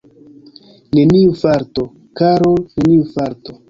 Neniu falto, karul’, neniu falto!